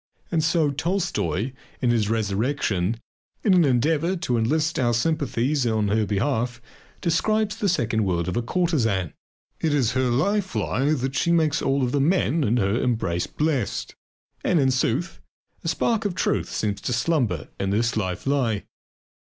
And so, too, Tolstoy, in his "Resurrection," in an endeavour to enlist our sympathies in her behalf, describes the second world of a courtesan. It is her life lie that she makes all the men in her embrace blessed. And in sooth, a spark of truth seems to slumber in this life lie.